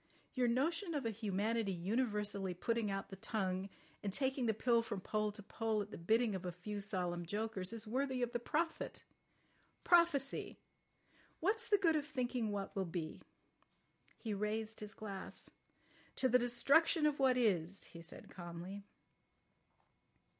Your notion of a humanity universally putting out the tongue and taking the pill from pole to pole at the bidding of a few solemn jokers is worthy of the prophet. Prophecy! What's the good of thinking of what will be!" He raised his glass. "To the destruction of what is," he said calmly.